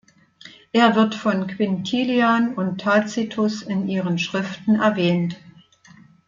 Er wird von Quintilian und Tacitus in ihren Schriften erwähnt.